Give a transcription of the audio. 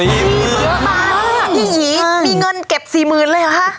พี่หยีมีเงินเก็บ๔๐๐๐๐เลยหรอคะ